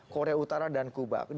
korea utara dan kuba